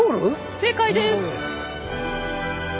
正解です。